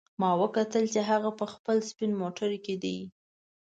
ما وکتل چې هغه په خپل سپین موټر کې ده